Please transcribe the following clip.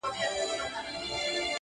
چي هر پردی راغلی دی زړه شینی دی وتلی-